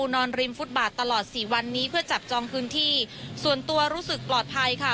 นอนริมฟุตบาทตลอดสี่วันนี้เพื่อจับจองพื้นที่ส่วนตัวรู้สึกปลอดภัยค่ะ